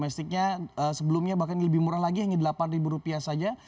sebelumnya bahkan lebih murah lagi hanya delapan rupiah saja